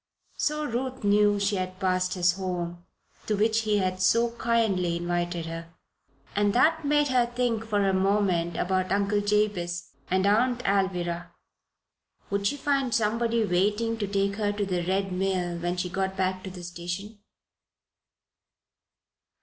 So Ruth knew she had passed his home, to which he had so kindly invited her. And that made her think for a moment about Uncle Jabez and Aunt Alvirah. Would she find somebody waiting to take her to the Red Mill when she got back to the station?